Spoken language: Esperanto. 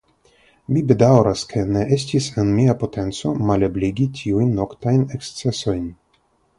Mi bedaŭras, ke ne estis en mia potenco malebligi tiujn noktajn ekscesojn.